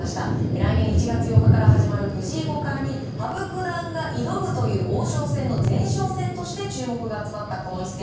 来年１月８日から始まる藤井五冠に羽生九段が挑むという王将戦の前哨戦として注目が集まった、この一戦。